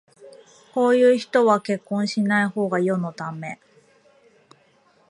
こういう人は結婚しないほうが世のため